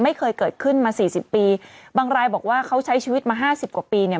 ไม่เคยเกิดขึ้นมาสี่สิบปีบางรายบอกว่าเขาใช้ชีวิตมาห้าสิบกว่าปีเนี่ย